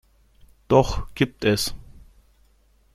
Doch gibt es.